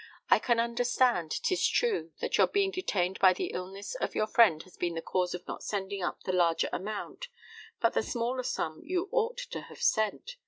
I can understand, 'tis true, that your being detained by the illness of your friend has been the cause of not sending up the larger amount, but the smaller sum you ought to have sent.